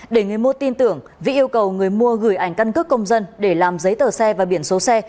để người mua tin tưởng vĩ yêu cầu người mua gửi ảnh căn cước công dân để làm giấy tờ xe và biển số xe